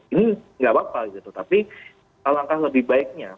ini nggak apa apa gitu tapi alangkah lebih baiknya